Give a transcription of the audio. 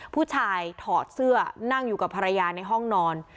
ถอดเสื้อนั่งอยู่กับภรรยาในห้องนอน